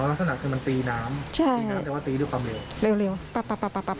อ๋อลักษณะคือมันตีน้ำใช่แต่ว่าตีด้วยความเร็วเร็วเร็วปับปับปับปับปับ